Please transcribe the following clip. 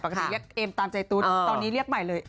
ปรากฏนี้เรียกเอ็มตามใจตุ๊ดตอนนี้เรียกใหม่เลย